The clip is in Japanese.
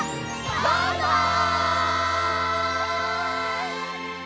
バイバイ！